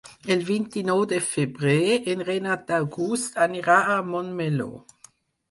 El vint-i-nou de febrer en Renat August anirà a Montmeló.